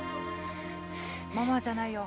・ママじゃないよ。